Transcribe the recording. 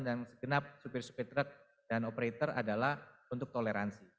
dan segenap supir supir truk dan operator adalah untuk toleransi